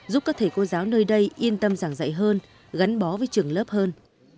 giúp các thầy cô giáo nơi đây yên tâm giảng dạy hơn gắn bó với trường lớp hơn